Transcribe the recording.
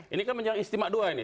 ini kan menyerang istimewa dua ini